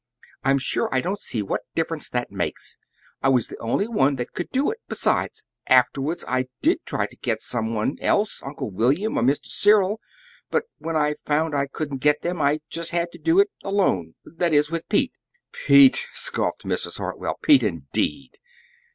"I'm sure I don't see what difference that makes. I was the only one that could do it! Besides, afterward, I did try to get some one else, Uncle William and Mr. Cyril. But when I found I couldn't get them, I just had to do it alone that is, with Pete." "Pete!" scoffed Mrs. Hartwell. "Pete, indeed!"